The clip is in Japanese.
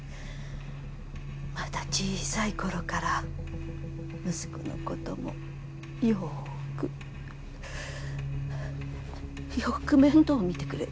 まだ小さい頃から息子の事もよーくよーく面倒を見てくれてました。